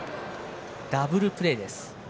ダブルプレーです。